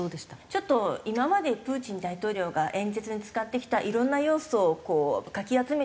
ちょっと今までプーチン大統領が演説に使ってきたいろんな要素をこうかき集めてですね